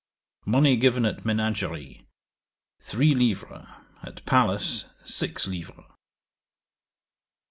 Money given at Menagerie, three livres; at palace, six livres.